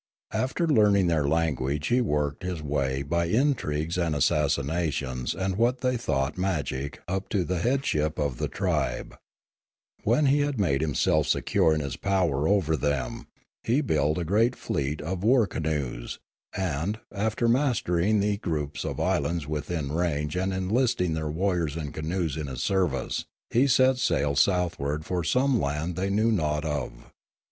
After learning their language he worked his way by intrigues and assassinations and what they thought magic up to the headship of the tribe. When 218 Limanora he had made himself secure in his power over them, he built a great fleet of war canoes, and, after mastering the groups of islands within range and enlisting their warriors and canoes in his service, he set sail southward for some land they knew not of.